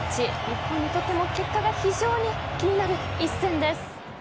日本にとっても結果が非常に気になる一戦です。